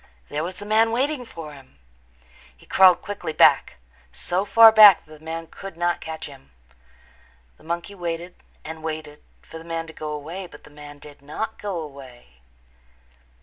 There was the man waiting for him! He crawled quickly back, so far back that the man could not catch him. The monkey waited and waited for the man to go away, but the man did not go away.